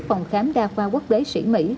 phòng khám đa khoa quốc đế sĩ mỹ